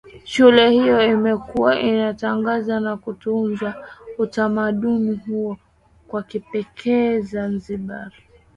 Shule hiyo imekuwa ikiutangaza na kuutunza utamaduni huo wa kipekee Zanzibar